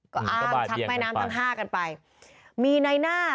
ก็อ้างชักแม่น้ำทั้งห้ากันไปมีในหน้า